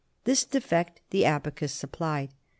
This defect the abacus supplied.